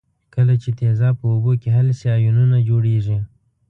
کله چې تیزاب په اوبو کې حل شي آیونونه جوړیږي.